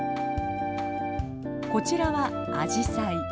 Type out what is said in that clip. こちらはアジサイ。